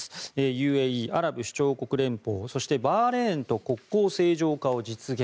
ＵＡＥ・アラブ首長国連邦そしてバーレーンと国交正常化を実現。